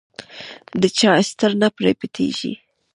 د چا ستر نه پرې پټېږي.